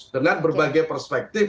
dengan berbagai perspektif